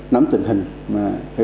nắm tình hình